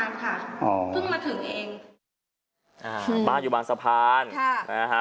ตอนแรกนึกว่าดับแป็ปเดียว